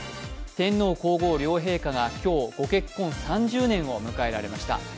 天皇皇后両陛下が今日、ごっけっこん３０年を迎えられました。